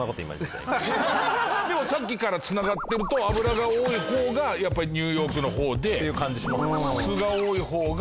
でもさっきからつながってると油が多い方がやっぱりニューヨークの方で酢が多い方が。